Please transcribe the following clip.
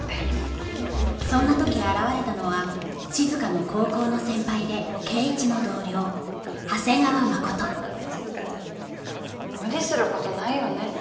そんな時現れたのは静の高校の先輩で圭一の同僚長谷川真琴無理することないよね